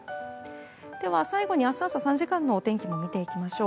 では最後に明日朝３時間のお天気を見ていきましょう。